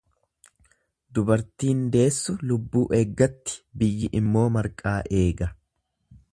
Dubartiin deessu lubbuu eeggatti biyyi immoo marqaa eega.